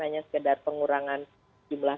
hanya sekedar pengurangan jumlah